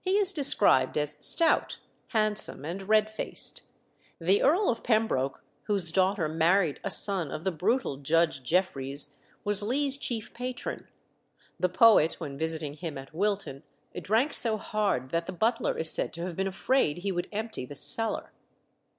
He is described as stout, handsome, and red faced. The Earl of Pembroke, whose daughter married a son of the brutal Judge Jefferies, was Lee's chief patron. The poet, when visiting him at Wilton, drank so hard that the butler is said to have been afraid he would empty the cellar.